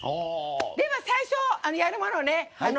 では、最初やるものね。